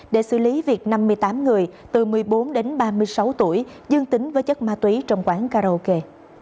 để xử lý việc năm mươi tám người từ một mươi bốn đến ba mươi sáu tuổi dương tính với chất ma túy trong quán karaoke